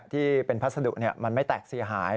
ที่เป็นภาษาดุนี่มันไม่แตะสีหาย